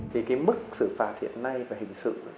thì cái mức xử phạt hiện nay về hình sự